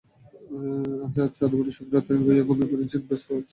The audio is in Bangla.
ছাদে কাপড় শুকাতে দিয়ে ঘুমিয়ে পড়েছেন কিংবা ব্যস্ত আছেন অন্য কোনো কাজে।